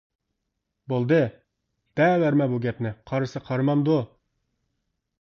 -بولدى، دەۋەرمە بۇ گەپنى قارىسا قارىمامدۇ.